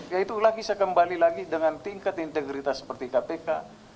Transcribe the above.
ya itu lagi saya kembali lagi dengan tingkat integritas seperti kpk